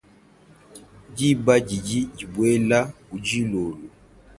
Diba didi dibuela kudilolo.